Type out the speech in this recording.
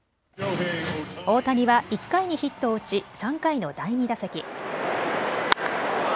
大谷は１回にヒットを打ち３回の第２打席。